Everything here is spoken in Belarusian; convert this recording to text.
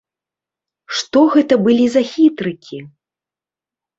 Што гэта былі за хітрыкі?